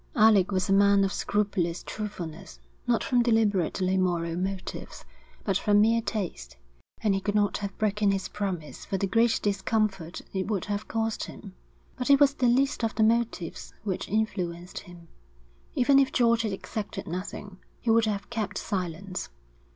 Alec was a man of scrupulous truthfulness, not from deliberately moral motives but from mere taste, and he could not have broken his promise for the great discomfort it would have caused him. But it was the least of the motives which influenced him. Even if George had exacted nothing, he would have kept silence.